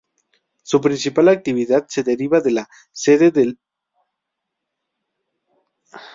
Su principal actividad se deriva de la sede del a Universidad de California, Davis.